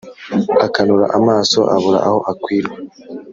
Akanura amaso abura aho akwirwa.